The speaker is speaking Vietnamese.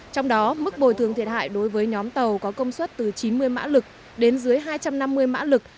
trong đó mức bồi thường thiệt hại đối với nhóm tàu có công suất từ chín mươi mã lực đến dưới hai trăm năm mươi mã lực